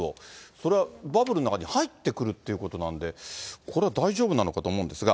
それはバブルの中に入ってくるってことなんで、これは大丈夫なのかと思うんですが。